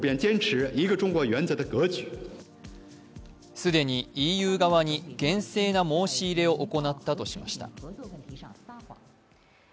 既にＥＵ側に厳正な申し入れを行ったとしました。